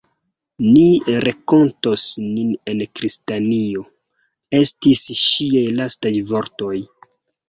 Ni renkontos nin en Kristiano, estis ŝiaj lastaj vortoj.